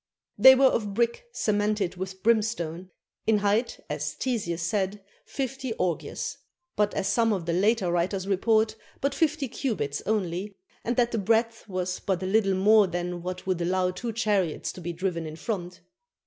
They were of brick cemented with brimstone; in height, as Ctesias says, fifty orgyas; but as some of the later writers report, but fifty cubits only, and that the breadth was but a little more than what would allow two chariots to be driven in front.